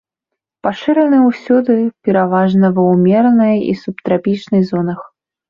Пашыраны ўсюды, пераважна ва ўмеранай і субтрапічнай зонах.